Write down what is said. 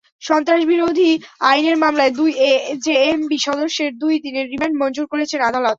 সন্ত্রাসবিরোধী আইনের মামলায় দুই জেএমবি সদস্যের দুই দিনের রিমান্ড মঞ্জুর করেছেন আদালত।